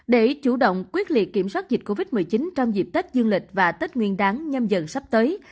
để chủ động quyết liệt kiểm soát dịch covid một mươi chín trong dịp tết dương lịch và tết nguyên đáng nhâm dần sắp tới